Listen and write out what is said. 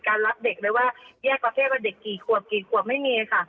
รับเด็กเลยว่าแยกประเภทว่าเด็กกี่ขวบกี่ขวบไม่มีค่ะ